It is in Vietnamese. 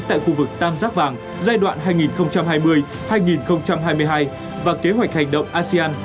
tại khu vực tam giác vàng giai đoạn hai nghìn hai mươi hai nghìn hai mươi hai và kế hoạch hành động asean